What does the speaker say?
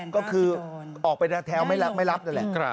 ก็คือออกไปแถวไม่รับนั่นแหละ